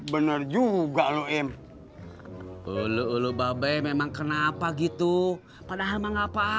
belum buka bang